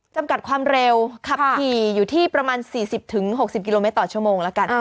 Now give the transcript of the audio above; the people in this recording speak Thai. จำกัดความเร็วขับขี่อยู่ที่ประมาณ๔๐๖๐กิโลเมตรต่อชั่วโมงแล้วกัน